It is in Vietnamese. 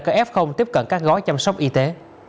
các f tiếp cận các gói chăm sóc y tế